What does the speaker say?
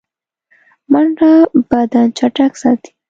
منډه بدن چټک ساتي